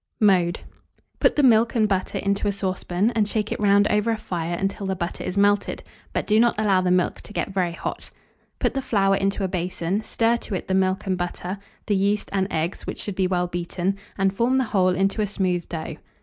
Mode. Put the milk and butter into a saucepan, and shake it round over a fire until the butter is melted, but do not allow the milk to get very hot. Put the flour into a basin, stir to it the milk and butter, the yeast, and eggs, which should be well beaten, and form the whole into a smooth dough.